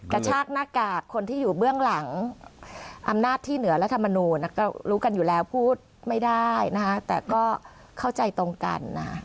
กระชากหน้ากากคนที่อยู่เบื้องหลังอำนาจที่เหนือรัฐมนูลก็รู้กันอยู่แล้วพูดไม่ได้นะคะแต่ก็เข้าใจตรงกันนะคะ